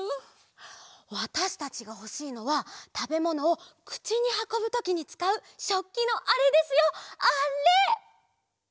わたしたちがほしいのはたべものをくちにはこぶときにつかうしょっきのあれですよあれ！